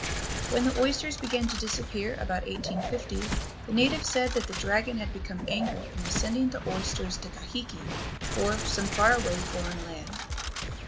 When the oysters began to disappear about 1850, the natives said that the dragon had become angry and was sending the oysters to Kahiki, or some far away foreign land.